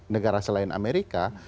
negara selain amerika